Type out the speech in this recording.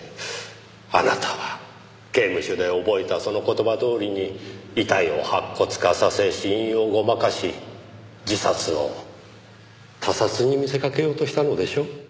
あなたは刑務所で覚えたその言葉どおりに遺体を白骨化させ死因をごまかし自殺を他殺に見せかけようとしたのでしょ？